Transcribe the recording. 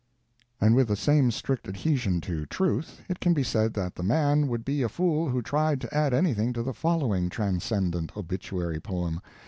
And with the same strict adhesion to truth it can be said that the man would be a fool who tried to add anything to the following transcendent obituary poem.